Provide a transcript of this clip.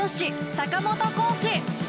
坂本コーチ。